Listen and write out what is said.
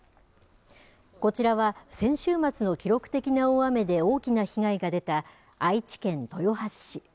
こちらは、先週末の記録的な大雨で大きな被害が出た、愛知県豊橋市。